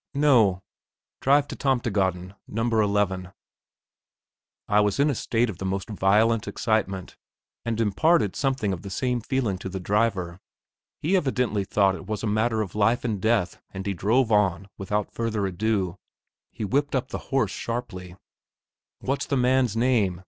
"No. Drive to Tomtegaden, No. 11." I was in a state of the most violent excitement, and imparted something of the same feeling to the driver. He evidently thought it was a matter of life and death, and he drove on, without further ado. He whipped up the horse sharply. "What's the man's name?"